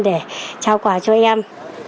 để trao quà cho em